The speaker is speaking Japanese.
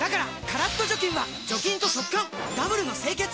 カラッと除菌は除菌と速乾ダブルの清潔！